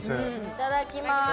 いただきまーす。